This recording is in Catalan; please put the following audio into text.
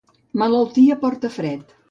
Malaltia porta fred.